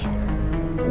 dia ketemu rena